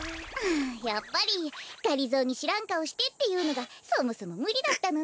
やっぱりがりぞーにしらんかおしてっていうのがそもそもむりだったのね。